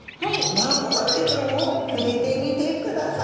マコガレイちゃんを触れてみてください。